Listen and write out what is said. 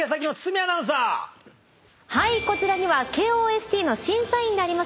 こちらにはＫＯＳＴの審査員であります。